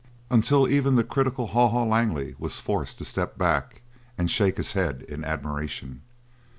Until even the critical Haw Haw Langley was forced to step back and shake his head in admiration.